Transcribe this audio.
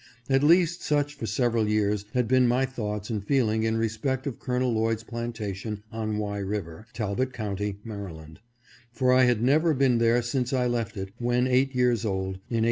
At least such for several years had been my thoughts and feeling in respect of Col. Lloyd's plantation on Wye River, Talbot County, Maryland ; for I had never been there since I left it, when eight years old, in 1825.